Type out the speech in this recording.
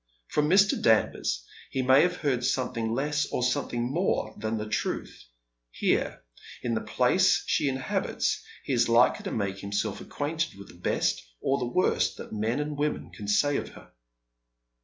From Mr. Danvers he may have heard something less or something more than the truth. Here, in the place she inhabits, he is likely to make nimself acquainted with the best or the worst that men and women can say of her.